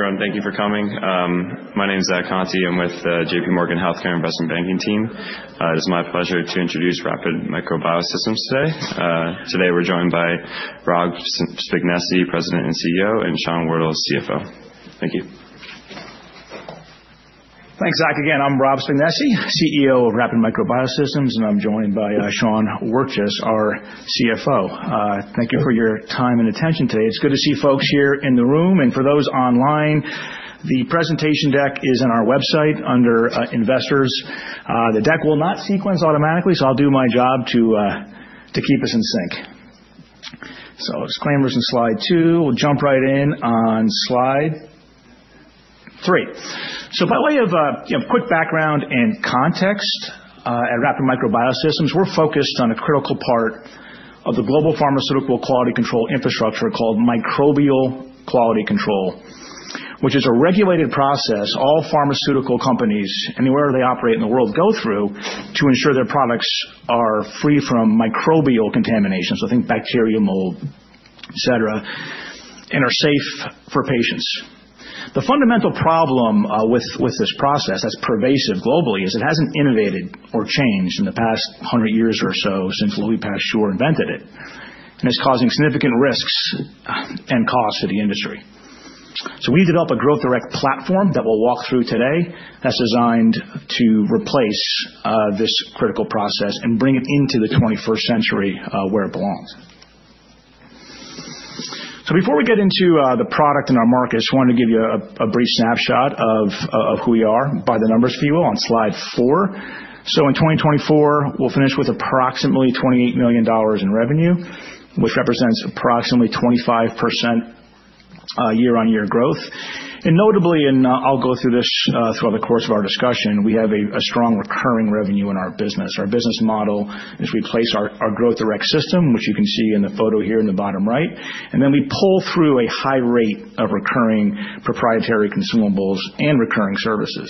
Hello, everyone. Thank you for coming. My name is Zach Conte. I'm with the JPMorgan Healthcare Investment Banking team. It is my pleasure to introduce Rapid Micro Biosystems today. Today we're joined by Rob Spignesi, President and CEO, and Sean Wirtjes, CFO. Thank you. Thanks, Zach. Again, I'm Rob Spignesi, CEO of Rapid Micro Biosystems, and I'm joined by Sean Wirtjes, our CFO. Thank you for your time and attention today. It's good to see folks here in the room. And for those online, the presentation deck is on our website under Investors. The deck will not sequence automatically, so I'll do my job to keep us in sync. So disclaimers on slide two. We'll jump right in on slide three. So by way of quick background and context, at Rapid Micro Biosystems, we're focused on a critical part of the global pharmaceutical quality control infrastructure called microbial quality control, which is a regulated process all pharmaceutical companies and wherever they operate in the world go through to ensure their products are free from microbial contamination, so think bacteria, mold, et cetera, and are safe for patients. The fundamental problem with this process that's pervasive globally is it hasn't innovated or changed in the past 100 years or so since Louis Pasteur invented it, and it's causing significant risks and costs for the industry. So we've developed a Growth Direct platform that we'll walk through today that's designed to replace this critical process and bring it into the 21st century where it belongs. So before we get into the product and our markets, I wanted to give you a brief snapshot of who we are by the numbers, if you will, on slide 4. So in 2024, we'll finish with approximately $28 million in revenue, which represents approximately 25% year-on-year growth, and notably, and I'll go through this throughout the course of our discussion, we have a strong recurring revenue in our business. Our business model is we place our Growth Direct system, which you can see in the photo here in the bottom right, and then we pull through a high rate of recurring proprietary consumables and recurring services.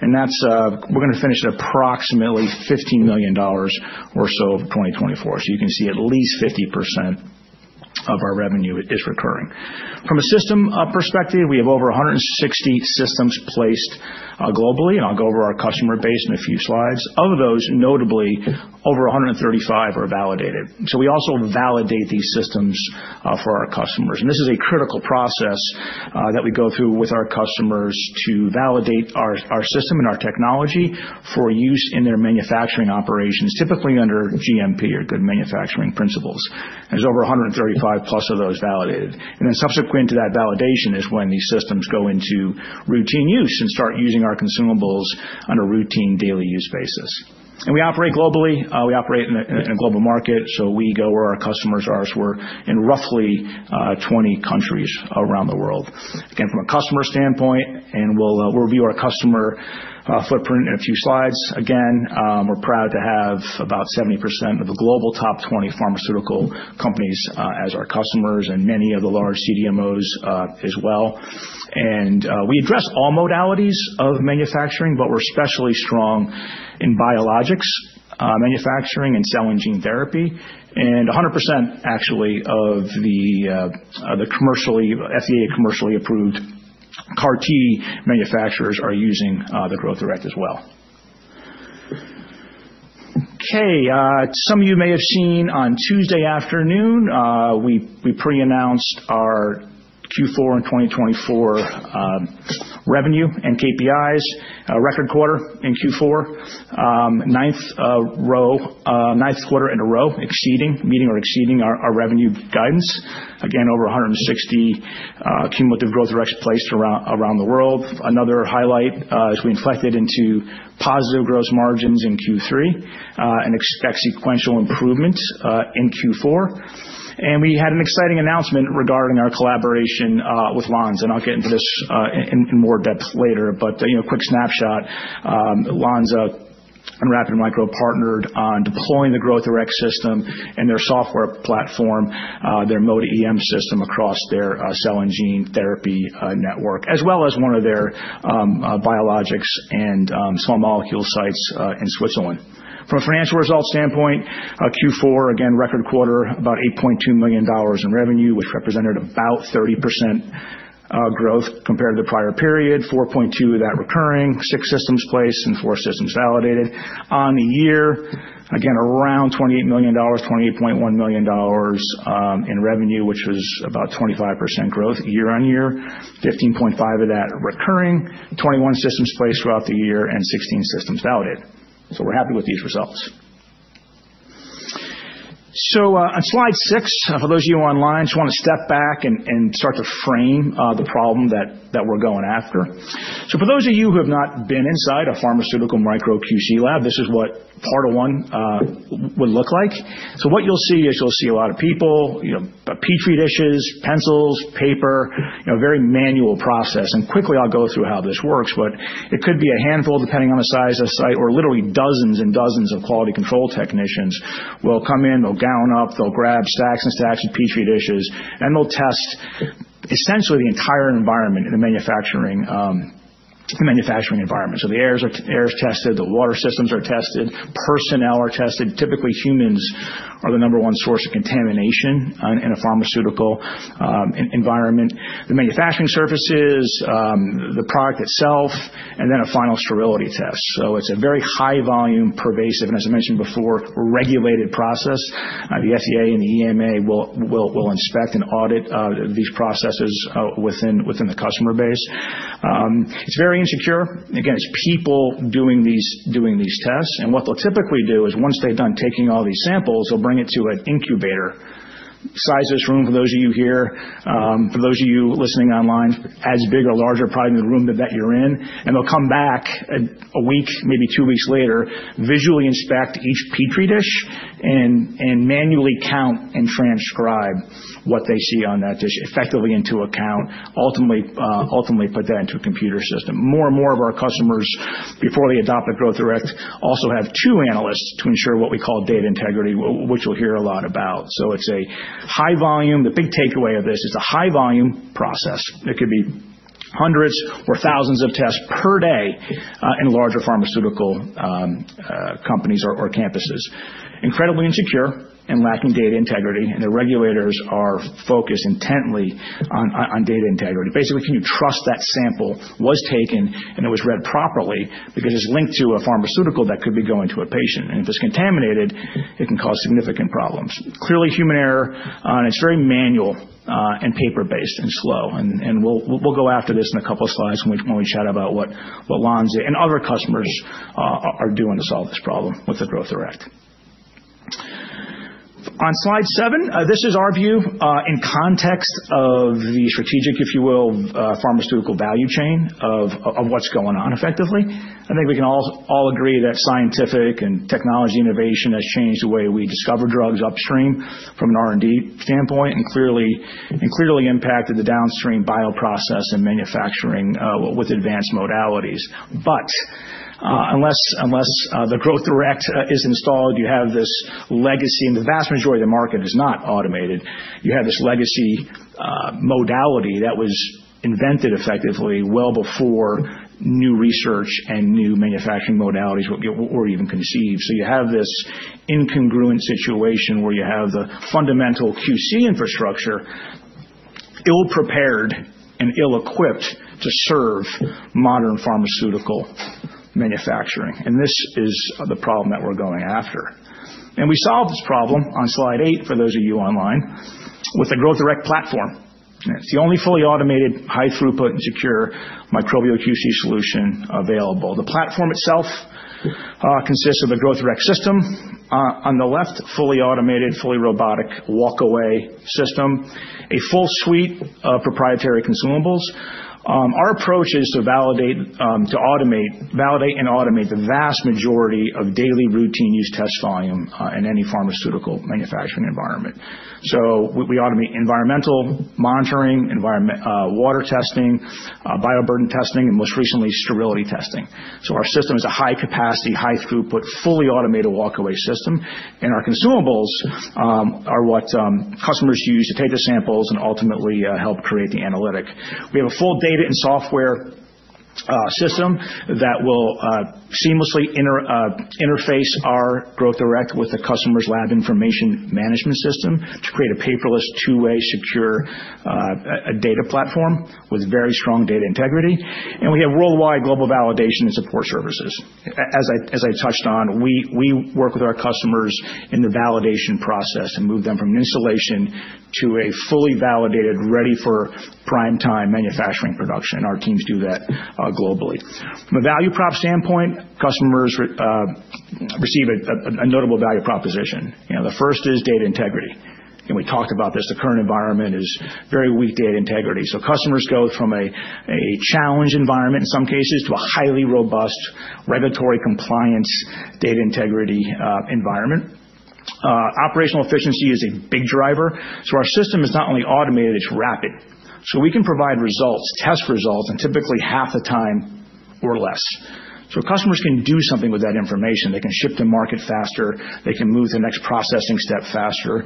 And we're going to finish at approximately $15 million or so for 2024. So you can see at least 50% of our revenue is recurring. From a system perspective, we have over 160 systems placed globally, and I'll go over our customer base in a few slides. Of those, notably, over 135 are validated. So we also validate these systems for our customers. And this is a critical process that we go through with our customers to validate our system and our technology for use in their manufacturing operations, typically under GMP or Good Manufacturing Principles. There's over 135-plus of those validated. Then subsequent to that validation is when these systems go into routine use and start using our consumables on a routine daily use basis. We operate globally. We operate in a global market, so we go where our customers are. We're in roughly 20 countries around the world. Again, from a customer standpoint, we'll review our customer footprint in a few slides. Again, we're proud to have about 70% of the global top 20 pharmaceutical companies as our customers and many of the large CDMOs as well. We address all modalities of manufacturing, but we're especially strong in biologics manufacturing and cell and gene therapy. 100%, actually, of the FDA commercially approved CAR T manufacturers are using the Growth Direct as well. Okay. Some of you may have seen on Tuesday afternoon we pre-announced our Q4 in 2024 revenue and KPIs: record quarter in Q4, ninth quarter in a row exceeding, meeting or exceeding our revenue guidance. Again, over 160 cumulative Growth Directs placed around the world. Another highlight is we inflected into positive gross margins in Q3 and expect sequential improvements in Q4, and we had an exciting announcement regarding our collaboration with Lonza, and I'll get into this in more depth later, but a quick snapshot, Lonza and Rapid Micro partnered on deploying the Growth Direct system and their software platform, their MODA-EM system across their cell and gene therapy network, as well as one of their biologics and small molecule sites in Switzerland. From a financial result standpoint, Q4, again, record quarter, about $8.2 million in revenue, which represented about 30% growth compared to the prior period, 4.2 of that recurring, six systems placed, and four systems validated. On the year, again, around $28 million, $28.1 million in revenue, which was about 25% growth year-on-year, $15.5 million of that recurring, 21 systems placed throughout the year, and 16 systems validated. So we're happy with these results. So on slide six, for those of you online, I just want to step back and start to frame the problem that we're going after. So for those of you who have not been inside a pharmaceutical micro QC lab, this is what part one would look like. So what you'll see is you'll see a lot of people, Petri dishes, pencils, paper, a very manual process. Quickly, I'll go through how this works, but it could be a handful, depending on the size of the site, or literally dozens and dozens of quality control technicians will come in. They'll gown up. They'll grab stacks and stacks of Petri dishes, and they'll test essentially the entire environment in the manufacturing environment. So the air is tested. The water systems are tested. Personnel are tested. Typically, humans are the number one source of contamination in a pharmaceutical environment. The manufacturing surfaces, the product itself, and then a final sterility test. So it's a very high-volume, pervasive, and as I mentioned before, regulated process. The FDA and the EMA will inspect and audit these processes within the customer base. It's very insecure. Again, it's people doing these tests. And what they'll typically do is once they're done taking all these samples, they'll bring it to an incubator-sized room for those of you here, for those of you listening online, as big or larger probably than the room that you're in. And they'll come back a week, maybe two weeks later, visually inspect each Petri dish and manually count and transcribe what they see on that dish, effectively into a count, ultimately put that into a computer system. More and more of our customers, before they adopt the Growth Direct, also have two analysts to ensure what we call data integrity, which we'll hear a lot about. So it's a high volume. The big takeaway of this is it's a high-volume process. It could be hundreds or thousands of tests per day in larger pharmaceutical companies or campuses. Incredibly insecure and lacking data integrity. The regulators are focused intently on data integrity. Basically, can you trust that sample was taken and it was read properly because it's linked to a pharmaceutical that could be going to a patient? And if it's contaminated, it can cause significant problems. Clearly, human error. And it's very manual and paper-based and slow. And we'll go after this in a couple of slides when we chat about what Lonza and other customers are doing to solve this problem with the Growth Direct. On slide seven, this is our view in context of the strategic, if you will, pharmaceutical value chain of what's going on effectively. I think we can all agree that scientific and technology innovation has changed the way we discover drugs upstream from an R&D standpoint and clearly impacted the downstream bioprocess and manufacturing with advanced modalities. But unless the Growth Direct is installed, you have this legacy, and the vast majority of the market is not automated. You have this legacy modality that was invented effectively well before new research and new manufacturing modalities were even conceived. So you have this incongruent situation where you have the fundamental QC infrastructure ill-prepared and ill-equipped to serve modern pharmaceutical manufacturing. And this is the problem that we're going after. And we solved this problem on slide eight for those of you online with the Growth Direct platform. It's the only fully automated, high-throughput, and secure microbial QC solution available. The platform itself consists of the Growth Direct system. On the left, fully automated, fully robotic walk-away system, a full suite of proprietary consumables. Our approach is to validate, to automate, validate, and automate the vast majority of daily routine use test volume in any pharmaceutical manufacturing environment. We automate environmental monitoring, water testing, bioburden testing, and most recently, sterility testing. Our system is a high-capacity, high-throughput, fully automated walk-away system. Our consumables are what customers use to take the samples and ultimately help create the analytic. We have a full data and software system that will seamlessly interface our Growth Direct with the customer's lab information management system to create a paperless, two-way, secure data platform with very strong data integrity. We have worldwide global validation and support services. As I touched on, we work with our customers in the validation process and move them from installation to a fully validated, ready-for-primetime manufacturing production. Our teams do that globally. From a value prop standpoint, customers receive a notable value proposition. The first is data integrity. We talked about this. The current environment is very weak data integrity. So customers go from a challenge environment in some cases to a highly robust regulatory compliance data integrity environment. Operational efficiency is a big driver. So our system is not only automated, it's rapid. So we can provide results, test results, and typically half the time or less. So customers can do something with that information. They can ship to market faster. They can move to the next processing step faster.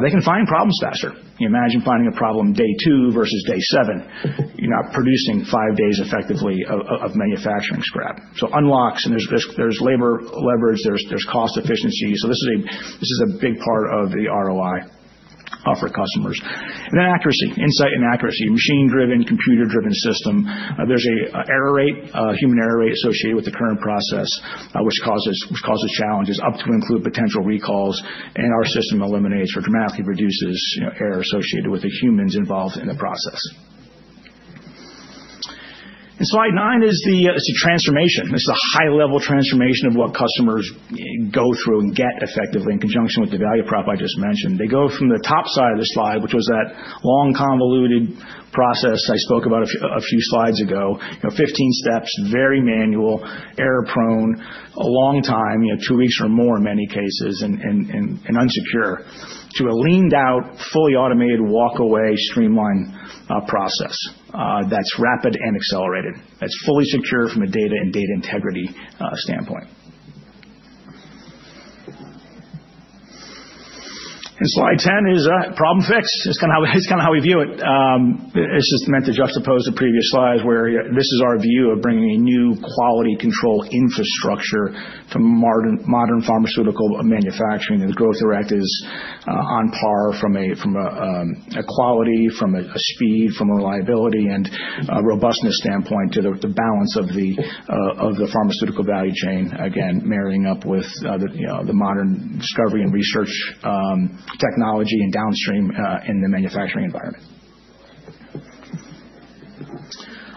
They can find problems faster. Imagine finding a problem day two versus day seven. You're not producing five days effectively of manufacturing scrap. So unlocks, and there's labor leverage, there's cost efficiency. So this is a big part of the ROI for customers. And then accuracy, insight and accuracy, machine-driven, computer-driven system. There's an error rate, human error rate associated with the current process, which causes challenges up to and include potential recalls. Our system eliminates or dramatically reduces error associated with the humans involved in the process. Slide nine is the transformation. This is a high-level transformation of what customers go through and get effectively in conjunction with the value prop I just mentioned. They go from the top side of the slide, which was that long convoluted process I spoke about a few slides ago, 15 steps, very manual, error-prone, a long time, two weeks or more in many cases, and unsecure, to a leaned-out, fully automated walk-away streamlined process that's rapid and accelerated, that's fully secure from a data and data integrity standpoint. Slide 10 is problem fix. It's kind of how we view it. It's just meant to juxtapose the previous slides where this is our view of bringing a new quality control infrastructure to modern pharmaceutical manufacturing. And the Growth Direct is on par from a quality, from a speed, from a reliability, and robustness standpoint to the balance of the pharmaceutical value chain, again, marrying up with the modern discovery and research technology and downstream in the manufacturing environment.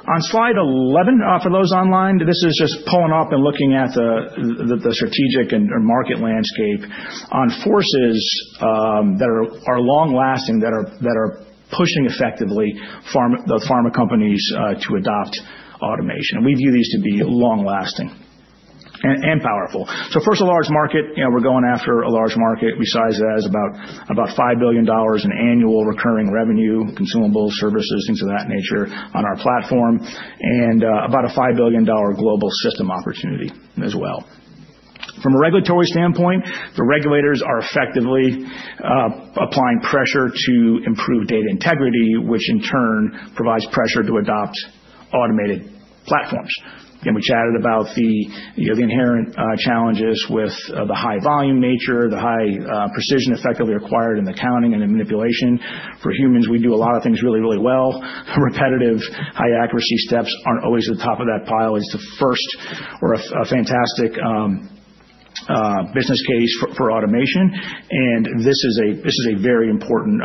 On slide 11 for those online, this is just pulling up and looking at the strategic and market landscape on forces that are long-lasting, that are pushing effectively the pharma companies to adopt automation. And we view these to be long-lasting and powerful. So first, a large market. We're going after a large market. We size it as about $5 billion in annual recurring revenue, consumables, services, things of that nature on our platform, and about a $5 billion global system opportunity as well. From a regulatory standpoint, the regulators are effectively applying pressure to improve data integrity, which in turn provides pressure to adopt automated platforms. Again, we chatted about the inherent challenges with the high-volume nature, the high precision effectively required in the counting and the manipulation. For humans, we do a lot of things really, really well. Repetitive, high-accuracy steps aren't always at the top of that pile. It's the first or a fantastic business case for automation. And this is a very important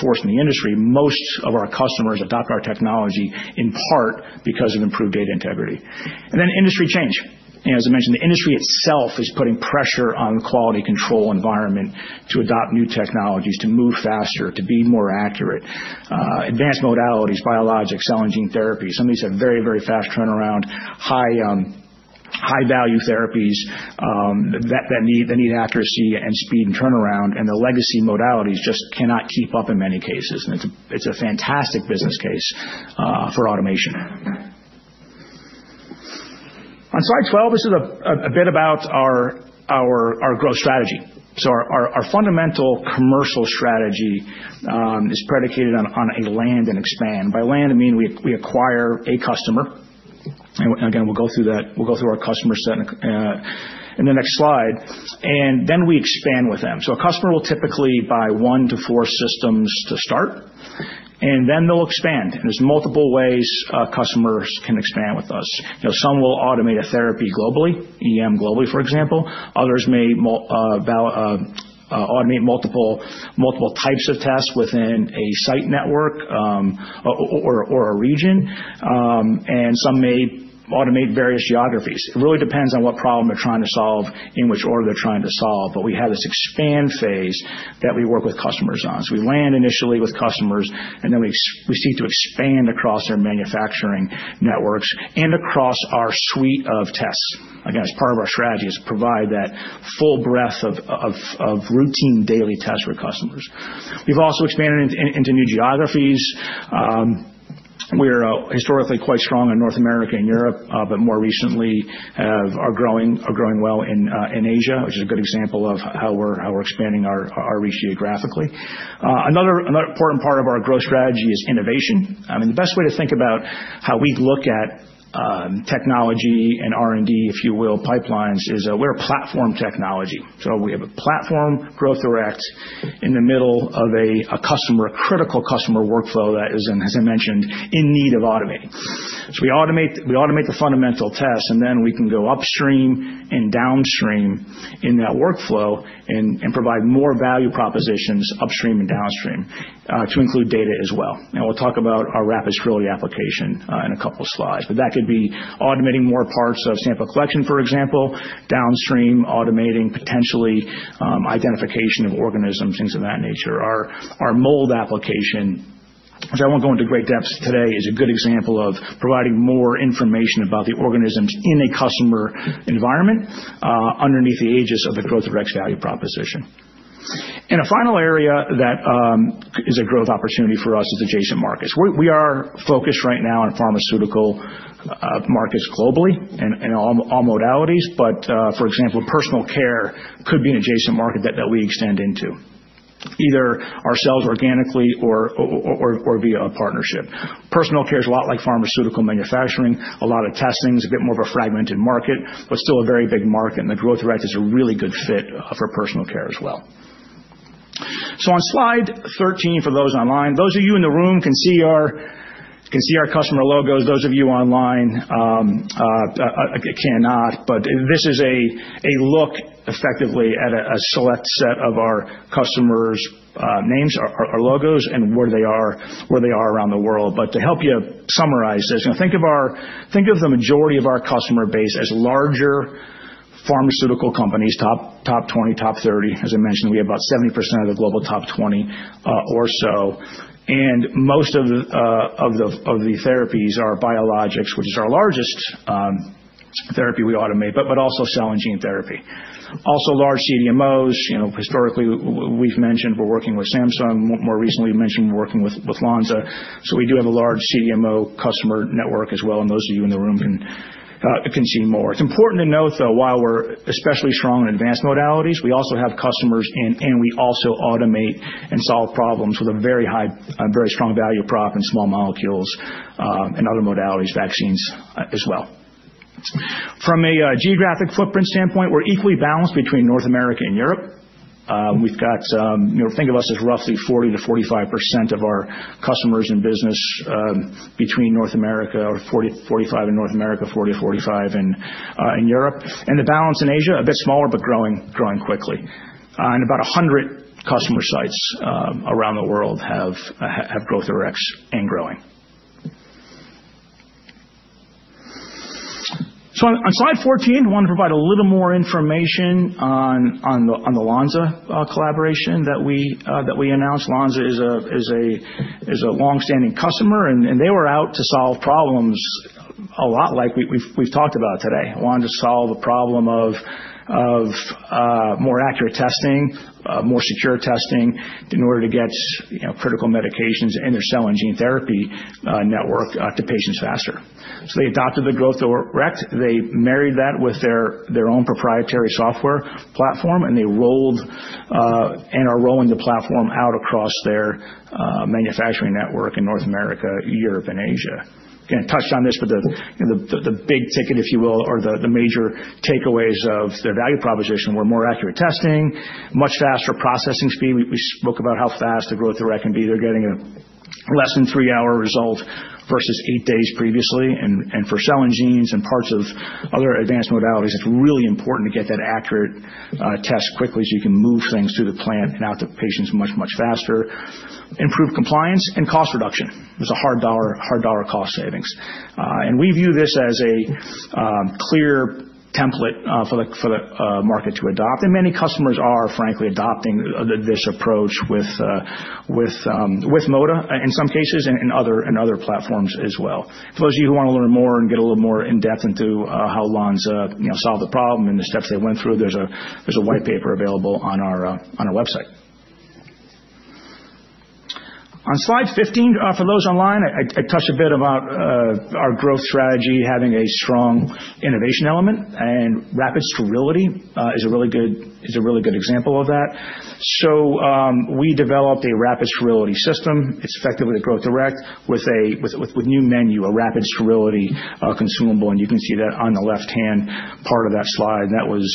force in the industry. Most of our customers adopt our technology in part because of improved data integrity. And then industry change. As I mentioned, the industry itself is putting pressure on the quality control environment to adopt new technologies, to move faster, to be more accurate. Advanced modalities, biologics, cell and gene therapy. Some of these have very, very fast turnaround, high-value therapies that need accuracy and speed and turnaround. And the legacy modalities just cannot keep up in many cases. And it's a fantastic business case for automation. On slide 12, this is a bit about our growth strategy, so our fundamental commercial strategy is predicated on a land and expand. By land, I mean we acquire a customer, and again, we'll go through that. We'll go through our customer set in the next slide, and then we expand with them, so a customer will typically buy one to four systems to start, and then they'll expand, and there's multiple ways customers can expand with us. Some will automate a therapy globally, EM globally, for example. Others may automate multiple types of tests within a site network or a region, and some may automate various geographies. It really depends on what problem they're trying to solve, in which order they're trying to solve, but we have this expand phase that we work with customers on. So we land initially with customers, and then we seek to expand across their manufacturing networks and across our suite of tests. Again, as part of our strategy is to provide that full breadth of routine daily tests for customers. We've also expanded into new geographies. We're historically quite strong in North America and Europe, but more recently are growing well in Asia, which is a good example of how we're expanding our reach geographically. Another important part of our growth strategy is innovation. I mean, the best way to think about how we look at technology and R&D, if you will, pipelines is we're a platform technology. So we have a platform Growth Direct in the middle of a critical customer workflow that is, as I mentioned, in need of automating. So we automate the fundamental tests, and then we can go upstream and downstream in that workflow and provide more value propositions upstream and downstream to include data as well. And we'll talk about our Rapid Sterility application in a couple of slides. But that could be automating more parts of sample collection, for example, downstream automating potentially identification of organisms, things of that nature. Our mold application, which I won't go into great depth today, is a good example of providing more information about the organisms in a customer environment under the aegis of the Growth Direct value proposition. And a final area that is a growth opportunity for us is adjacent markets. We are focused right now on pharmaceutical markets globally and all modalities. But for example, personal care could be an adjacent market that we extend into either ourselves organically or via a partnership. Personal care is a lot like pharmaceutical manufacturing, a lot of testing, a bit more of a fragmented market, but still a very big market. And the Growth Direct is a really good fit for personal care as well. So on slide 13, for those online, those of you in the room can see our customer logos. Those of you online cannot. But this is a look effectively at a select set of our customers' names, our logos, and where they are around the world. But to help you summarize this, think of the majority of our customer base as larger pharmaceutical companies, top 20, top 30. As I mentioned, we have about 70% of the global top 20 or so. And most of the therapies are biologics, which is our largest therapy we automate, but also cell and gene therapy. Also large CDMOs. Historically, we've mentioned we're working with Samsung. More recently, we've mentioned we're working with Lonza. So we do have a large CDMO customer network as well. And those of you in the room can see more. It's important to note, though, while we're especially strong in advanced modalities, we also have customers, and we also automate and solve problems with a very high, very strong value prop and small molecules and other modalities, vaccines as well. From a geographic footprint standpoint, we're equally balanced between North America and Europe. We've got think of us as roughly 40%-45% of our customers and business between North America or 40%-45% in North America, 40%-45% in Europe. And the balance in Asia, a bit smaller, but growing quickly. And about 100 customer sites around the world have Growth Directs and growing. So on slide 14, I want to provide a little more information on the Lonza collaboration that we announced. Lonza is a long-standing customer, and they were out to solve problems a lot like we've talked about today. Wanted to solve a problem of more accurate testing, more secure testing in order to get critical medications in their cell and gene therapy network to patients faster. So they adopted the Growth Direct. They married that with their own proprietary software platform, and they rolled and are rolling the platform out across their manufacturing network in North America, Europe, and Asia. Again, touched on this, but the big ticket, if you will, or the major takeaways of their value proposition were more accurate testing, much faster processing speed. We spoke about how fast the Growth Direct can be. They're getting a less than three-hour result versus eight days previously. And for cell and genes and parts of other advanced modalities, it's really important to get that accurate test quickly so you can move things through the plant and out to patients much, much faster. Improved compliance and cost reduction. There's a hard dollar cost savings. And we view this as a clear template for the market to adopt. And many customers are, frankly, adopting this approach with MODA in some cases and other platforms as well. For those of you who want to learn more and get a little more in-depth into how Lonza solved the problem and the steps they went through, there's a white paper available on our website. On slide 15, for those online, I touched a bit about our growth strategy, having a strong innovation element. And Rapid Sterility is a really good example of that. So we developed a Rapid Sterility system. It's effectively the Growth Direct with a new menu, a Rapid Sterility consumable, and you can see that on the left-hand part of that slide that was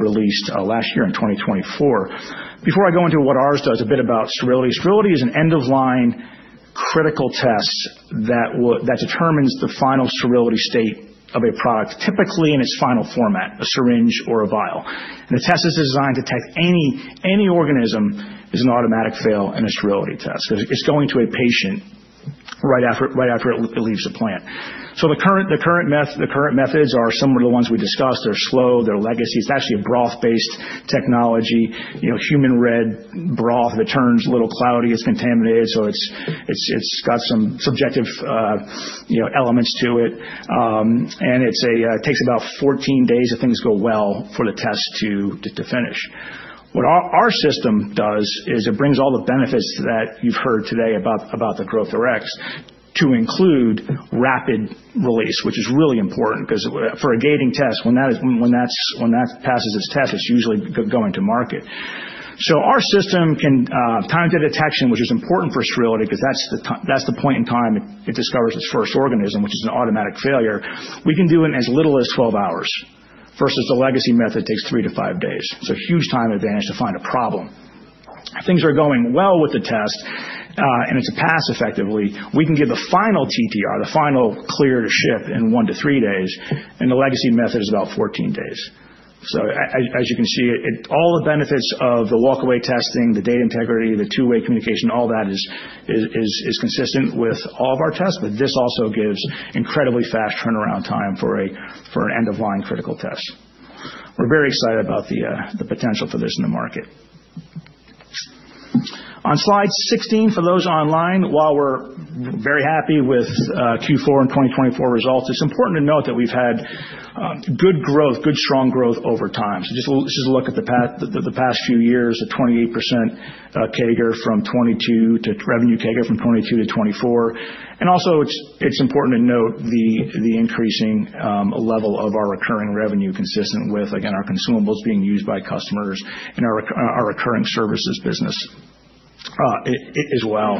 released last year in 2024. Before I go into what ours does, a bit about sterility. Sterility is an end-of-line critical test that determines the final sterility state of a product, typically in its final format, a syringe or a vial, and the test is designed to detect any organism. It's an automatic fail in a sterility test. It's going to a patient right after it leaves the plant. So the current methods are similar to the ones we discussed. They're slow. They're legacy. It's actually a broth-based technology, human-read broth that turns a little cloudy. It's contaminated. So it's got some subjective elements to it, and it takes about 14 days if things go well for the test to finish. What our system does is it brings all the benefits that you've heard today about the Growth Direct to include rapid release, which is really important because for a gating test, when that passes its test, it's usually going to market. So our system can time to detection, which is important for sterility because that's the point in time it discovers its first organism, which is an automatic failure. We can do it in as little as 12 hours versus the legacy method takes three to five days. It's a huge time advantage to find a problem. If things are going well with the test and it's a pass effectively, we can get the final TTR, the final clear to ship in one to three days, and the legacy method is about 14 days. So as you can see, all the benefits of the walk-away testing, the data integrity, the two-way communication, all that is consistent with all of our tests. But this also gives incredibly fast turnaround time for an end-of-line critical test. We're very excited about the potential for this in the market. On slide 16, for those online, while we're very happy with Q4 and 2024 results, it's important to note that we've had good growth, good strong growth over time. So just a look at the past few years, a 28% revenue CAGR from 2022 to 2024. And also, it's important to note the increasing level of our recurring revenue consistent with, again, our consumables being used by customers and our recurring services business as well.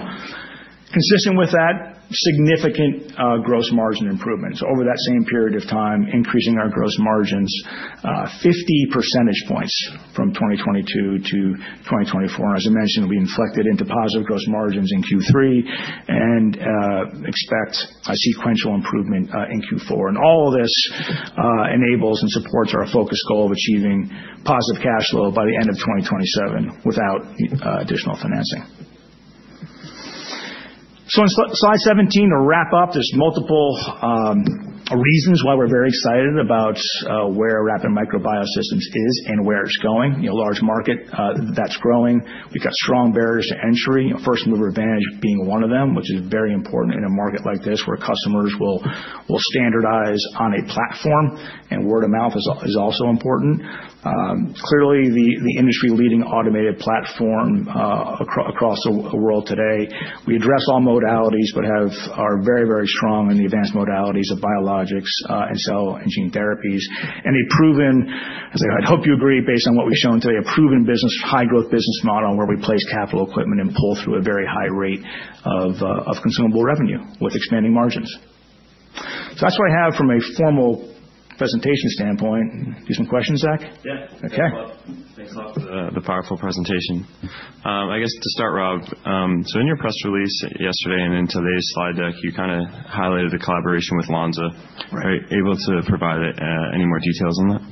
Consistent with that, significant gross margin improvements. Over that same period of time, increasing our gross margins 50 percentage points from 2022 to 2024. And as I mentioned, we inflected into positive gross margins in Q3 and expect a sequential improvement in Q4. And all of this enables and supports our focus goal of achieving positive cash flow by the end of 2027 without additional financing. So on slide 17, to wrap up, there's multiple reasons why we're very excited about where Rapid Micro Biosystems is and where it's going. Large market that's growing. We've got strong barriers to entry. First mover advantage being one of them, which is very important in a market like this where customers will standardize on a platform. And word of mouth is also important. Clearly, the industry-leading automated platform across the world today. We address all modalities but are very, very strong in the advanced modalities of biologics and cell and gene therapies. And a proven, as I hope you agree, based on what we've shown today, a proven high-growth business model where we place capital equipment and pull through a very high rate of consumable revenue with expanding margins. So that's what I have from a formal presentation standpoint. Do you have some questions, Zach? Yeah. Thanks a lot for the powerful presentation. I guess to start, Rob, so in your press release yesterday and in today's slide deck, you kind of highlighted the collaboration with Lonza. Are you able to provide any more details on that?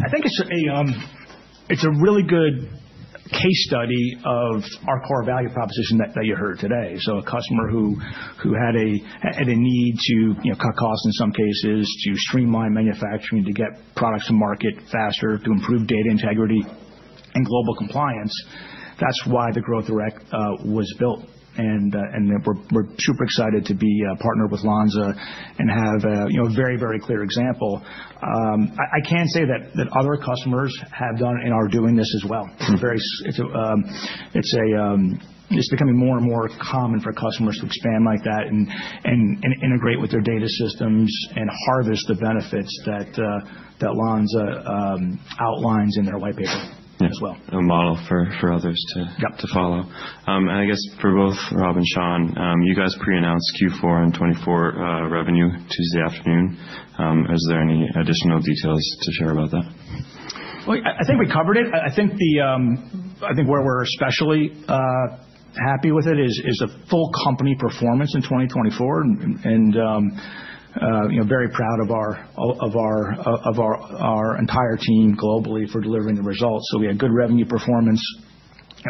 I think it's a really good case study of our core value proposition that you heard today. A customer who had a need to cut costs in some cases, to streamline manufacturing, to get products to market faster, to improve data integrity and global compliance, that's why the Growth Direct was built. We're super excited to be partnered with Lonza and have a very, very clear example. I can say that other customers have done and are doing this as well. It's becoming more and more common for customers to expand like that and integrate with their data systems and harvest the benefits that Lonza outlines in their white paper as well. A model for others to follow. I guess for both Rob and Sean, you guys pre-announced Q4 and 2024 revenue Tuesday afternoon. Is there any additional details to share about that? I think we covered it. I think where we're especially happy with it is the full company performance in 2024. Very proud of our entire team globally for delivering the results. We had good revenue performance,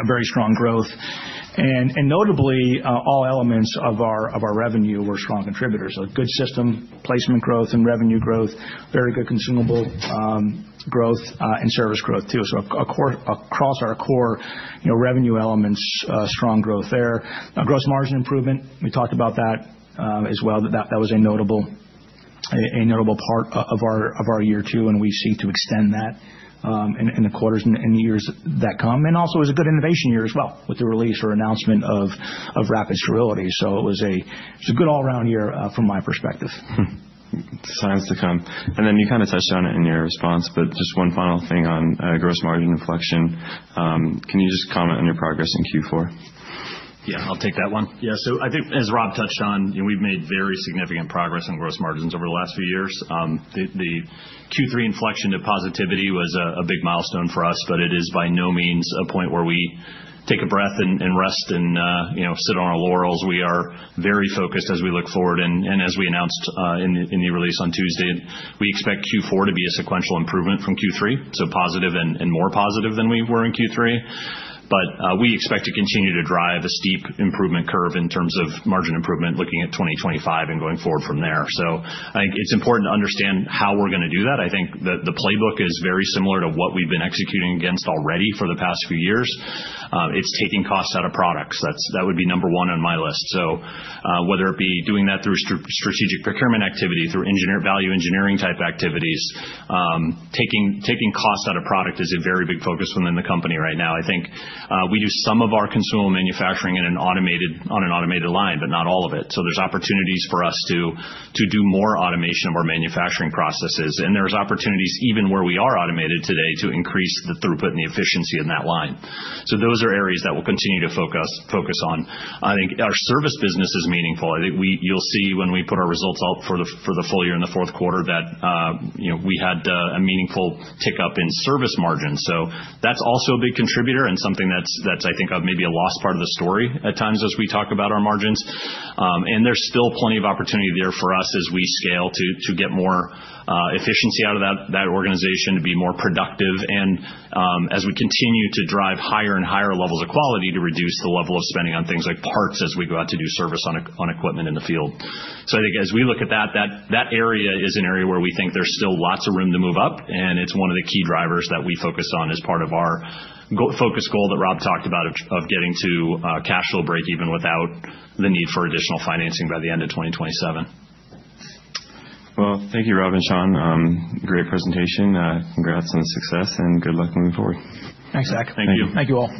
very strong growth. Notably, all elements of our revenue were strong contributors. A good system placement growth and revenue growth, very good consumable growth and service growth too. Across our core revenue elements, strong growth there. Gross margin improvement, we talked about that as well. That was a notable part of our year too, and we seek to extend that in the quarters and years that come. Also it was a good innovation year as well with the release or announcement of Rapid Sterility. It was a good all-round year from my perspective. Science to come. And then you kind of touched on it in your response, but just one final thing on gross margin inflection. Can you just comment on your progress in Q4? Yeah, I'll take that one. Yeah, so I think, as Rob touched on, we've made very significant progress in gross margins over the last few years. The Q3 inflection to positivity was a big milestone for us, but it is by no means a point where we take a breath and rest and sit on our laurels. We are very focused as we look forward, and as we announced in the release on Tuesday, we expect Q4 to be a sequential improvement from Q3, so positive and more positive than we were in Q3, but we expect to continue to drive a steep improvement curve in terms of margin improvement looking at 2025 and going forward from there, so I think it's important to understand how we're going to do that. I think the playbook is very similar to what we've been executing against already for the past few years. It's taking costs out of products. That would be number one on my list. So whether it be doing that through strategic procurement activity, through value engineering type activities, taking costs out of product is a very big focus within the company right now. I think we do some of our consumable manufacturing on an automated line, but not all of it. So there's opportunities for us to do more automation of our manufacturing processes. And there's opportunities even where we are automated today to increase the throughput and the efficiency in that line. So those are areas that we'll continue to focus on. I think our service business is meaningful. I think you'll see when we put our results out for the full year in the fourth quarter that we had a meaningful tick up in service margins. So that's also a big contributor and something that's, I think, maybe a lost part of the story at times as we talk about our margins. And there's still plenty of opportunity there for us as we scale to get more efficiency out of that organization to be more productive. And as we continue to drive higher and higher levels of quality to reduce the level of spending on things like parts as we go out to do service on equipment in the field. So I think as we look at that, that area is an area where we think there's still lots of room to move up. And it's one of the key drivers that we focus on as part of our focus goal that Rob talked about of getting to cash flow break even without the need for additional financing by the end of 2027. Thank you, Rob and Sean. Great presentation. Congrats on the success and good luck moving forward. Thanks, Zach. Thank you. Thank you all.